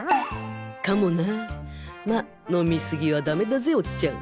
かもなまぁ飲みすぎはダメだぜおっちゃん